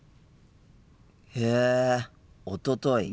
へえ「おととい」。